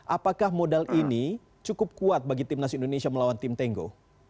apakah modal ini cukup kuat bagi tim nasi indonesia melawan tim tenggo